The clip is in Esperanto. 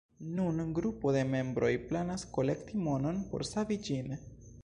Nun grupo de membroj planas kolekti monon por savi ĝin.